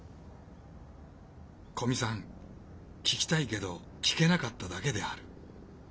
古見さん聞きたいけど聞けなかっただけである。